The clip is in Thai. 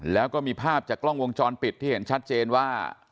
แล้วก็มีภาพจากกล้องวงจรปิดที่เห็นชัดเจนว่า